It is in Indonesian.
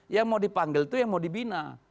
yang mau dipanggil itu yang mau dibina